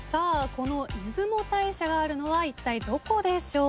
この出雲大社があるのはいったいどこでしょうか。